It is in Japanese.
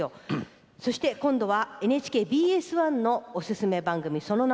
そして今度はＮＨＫＢＳ１のオススメ番組。